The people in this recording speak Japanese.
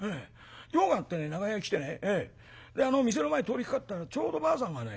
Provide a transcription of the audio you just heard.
用があって長屋へ来てねであの店の前通りかかったらちょうどばあさんがね